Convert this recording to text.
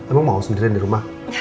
emang mau sendirian di rumah